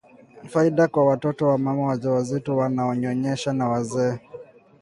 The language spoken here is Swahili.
Faida kwa watoto wamama wajawazito wanaonyonyesha na wazee